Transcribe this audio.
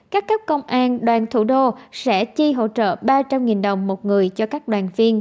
các cấp công an đoàn thủ đô sẽ chi hỗ trợ ba trăm linh đồng một người cho các đoàn viên